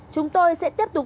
chúng tôi sẽ tiếp tục